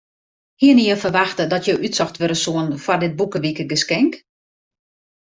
Hiene je ferwachte dat jo útsocht wurde soene foar dit boekewikegeskink?